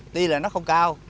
tuy là nó không cao